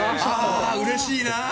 うれしいな！